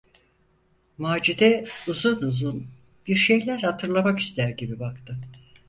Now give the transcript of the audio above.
Macide uzun uzun, bir şeyler hatırlamak ister gibi baktı.